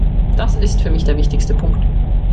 Das ist für mich der wichtigste Punkt.